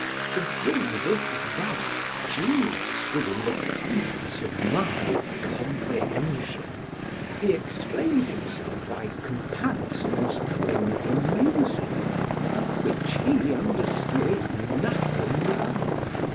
To bring this vast genius within the compass of my comprehension, he explained himself by comparisons drawn from music, which he understood nothing of.